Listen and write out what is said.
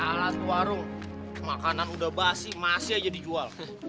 sialan lu warung makanan udah basi masih aja dijual